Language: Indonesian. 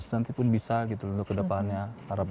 nanti pun bisa gitu untuk kedepannya